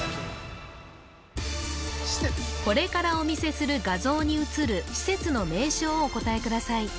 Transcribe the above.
これからお見せする画像にうつる施設の名称をお答えください